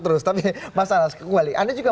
terus tapi mas anas kembali anda juga